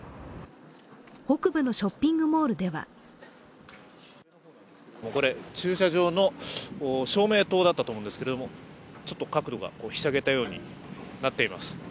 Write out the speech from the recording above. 北部のショッピングモールではこれ、駐車場の照明灯だったんですけれどもちょっと角度がひしゃげたようになっています。